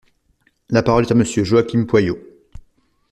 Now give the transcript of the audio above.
La parole est à Monsieur Joaquim Pueyo.